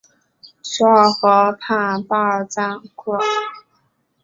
索尔河畔巴尔赞库尔。